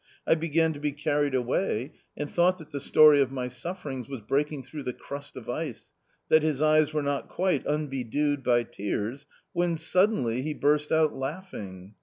I began to be carried away and thought that the story of my sufferings was breaking through the crust of ice, that his eyes were not quite unbedewed by tears, when suddenly he burst out laughing